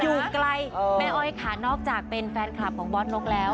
อยู่ไกลแม่อ้อยค่ะนอกจากเป็นแฟนคลับของบอสนกแล้ว